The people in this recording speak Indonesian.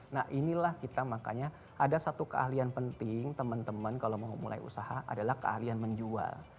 nah inilah kita makanya ada satu keahlian penting teman teman kalau mau mulai usaha adalah keahlian menjual